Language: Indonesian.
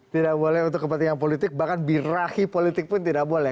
tidak boleh untuk kepentingan politik bahkan birahi politik pun tidak boleh